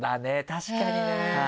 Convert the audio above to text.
確かにね！